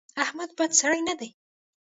احمد بد سړی نه دی.